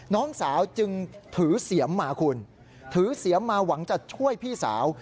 น้องสาวจึงถือเสียมมาคุณถือเสียมมาหวังจะช่วยพี่สาว